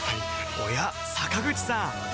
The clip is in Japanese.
おや坂口さん